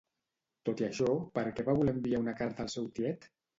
Tot i això, per què va voler enviar una carta al seu tiet?